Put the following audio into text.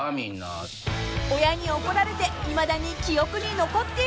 ［親に怒られていまだに記憶に残っていること］